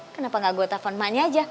kenapa gak gua telfon emaknya aja